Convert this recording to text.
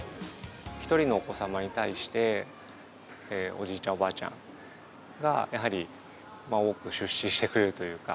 １人のお子様に対して、おじいちゃん、おばあちゃんが、やはり多く出資してくれるというか。